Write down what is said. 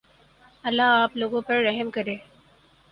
اللہ آپ لوگوں پر رحم کرے